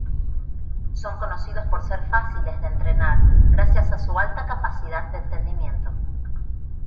Son conocidos por ser fáciles de entrenar, gracias a su alta capacidad de entendimiento.